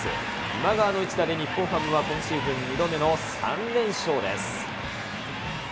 今川の一打で日本ハムは今シーズン２度目の３連勝です。